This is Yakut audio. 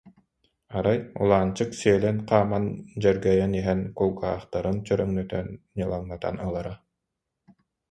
Арай, Улаанчык сиэлэн-хааман дьэргэйэн иһэн кулгаахтарын чөрөҥнөтөн, ньылаҥнатан ылара